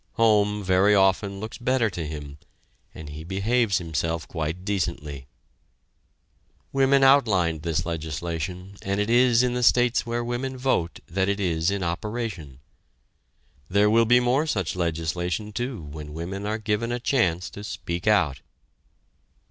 Home, very often, looks better to him, and he behaves himself quite decently. Women outlined this legislation and it is in the states where women vote that it is in operation. There will be more such legislation, too, when women are given a chance to speak out!